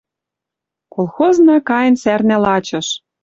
Колхозна кайын сӓрнӓ лачыш!..